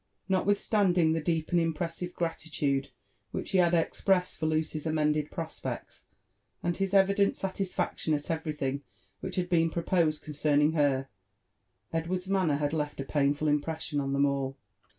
Notwithstanding the deep and impressive gratitude which ho bad expressed for Lucy's amended prospects, and his evident satisfaetioa at everything which had been proposed concerning her, Edward's manner had left a painful impression en them all.